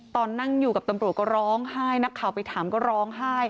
ตอนนั่งอยู่กับตำรวจก็ร้องไห้นักข่าวไปถามก็ร้องไห้